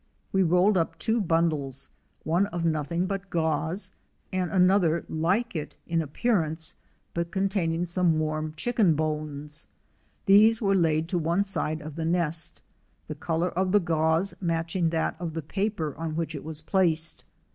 We rolled up two bundles, one of nothing but gauze, and another, like it in appearance, but containing some warm chicken bones ; these were laid to one side of the nest, the color of the gauze matching that of the paper on which it was placed.